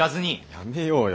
やめようよ